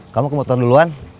kamu ke motor duluan